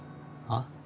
あっ？